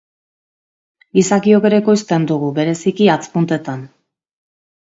Gizakiok ere ekoizten dugu, bereziki hatz puntetan.